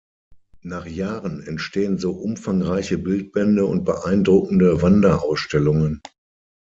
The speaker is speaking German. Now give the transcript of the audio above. Nach Jahren entstehen so umfangreiche Bildbände und beeindruckende Wanderausstellungen.